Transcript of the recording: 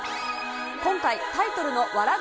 今回、タイトルの笑